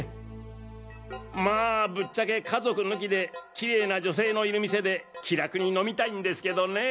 まぁぶっちゃけ家族抜きでキレイな女性のいる店で気楽に飲みたいんですけどねぇ。